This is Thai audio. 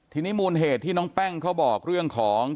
ทีนี้มูลเหตุที่น้องแป้งเขาบอกเรื่องของ